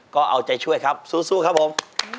ก็เอาใจช่วยครับสู้ครับผม